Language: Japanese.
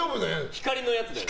光のやつだよね？